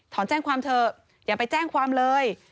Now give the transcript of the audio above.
แจ้งความเถอะอย่าไปแจ้งความเลย